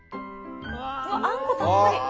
あんこたっぷり！